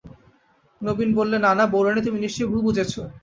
নবীন বললে, না না, বউরানী তুমি নিশ্চয় ভুল বুঝেছ।